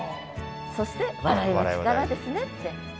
そして笑いは力ですねって。